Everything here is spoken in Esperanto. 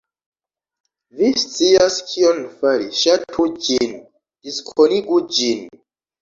Vi scias kion fari - Ŝatu ĝin, diskonigu ĝin